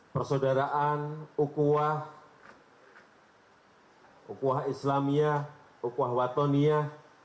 persaudaraan ukuah ukuah islamia ukuah watonia